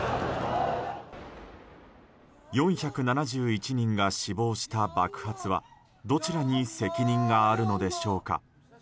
４７１人が死亡した爆発はどちらに責任があるのでしょうか。